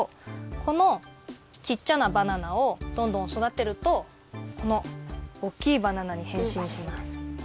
このちっちゃなバナナをどんどんそだてるとこのおっきいバナナにへんしんします。